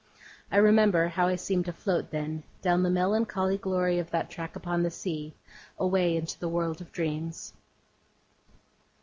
I remember how I seemed to float, then, down the melancholy glory of that track upon the sea, away into the world of dreams.